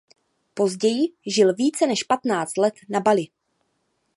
Později žil více než patnáct let na Bali.